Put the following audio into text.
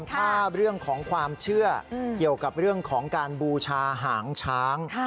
ถ้าเรื่องของความเชื่อเกี่ยวกับเรื่องของการบูชาหางช้าง